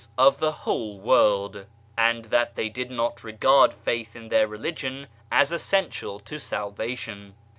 of the whole world ; and that they did not regard faith in their religion as essential to salvation.